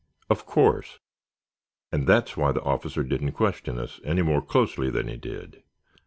Of course! And that's why the officer didn't question us any more closely than he did.